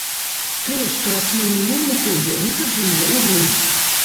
Тыя, што раслі ў мінулым годзе, высаджаныя ў грунт.